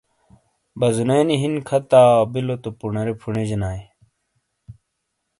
بزونے نی ہِن کھتاؤ بِیلو تو پُنارے پھُنیجینائیے۔